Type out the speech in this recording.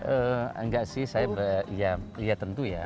enggak sih saya ya tentu ya